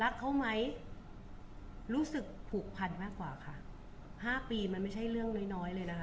รักเขาไหมรู้สึกผูกพันธุ์มากกว่าค่ะ๕ปีมันไม่ใช่เรื่องน้อยเลยนะคะ